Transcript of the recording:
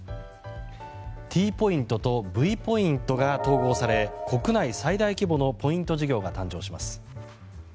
ＴポイントとＶポイントが統合され国内最大規模のポイント事業が誕生します。